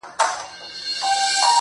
خپـله گرانـه مړه مي په وجود كي ده